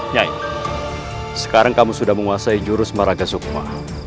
nyai sekarang kamu sudah menguasai jurus maragasukma